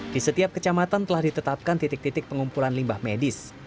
di setiap kecamatan telah ditetapkan titik titik pengumpulan limbah medis